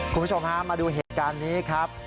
คุณผู้ชมฮะมาดูเหตุการณ์นี้ครับ